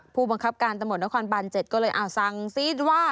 ผู้บังคับการตรรมนครบาน๗ก็เลยอาศังสิทธิ์ว่า